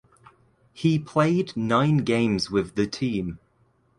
He played nine games with the team.